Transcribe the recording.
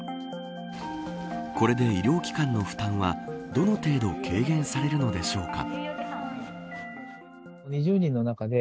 これで医療機関の負担はどの程度軽減されるのでしょうか。